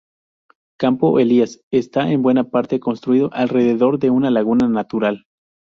Campo Elías está en buena parte construido alrededor de una laguna natural.